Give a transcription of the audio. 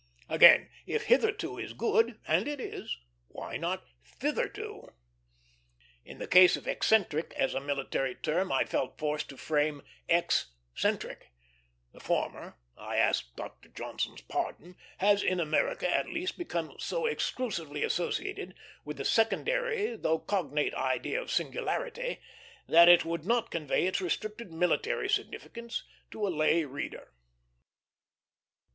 Again, if "hitherto" be good and it is why not "thitherto"? In the case of "eccentric" as a military term, I felt forced to frame "ex centric;" the former I ask Dr. Johnson's pardon has, in America at least, become so exclusively associated with the secondary though cognate idea of singularity that it would not convey its restricted military significance to a lay reader.